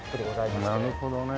なるほどね。